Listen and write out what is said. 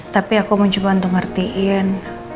tapi aku mencoba untuk ngertiin